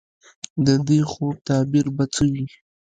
د دې خوب تعبیر به څه وي ؟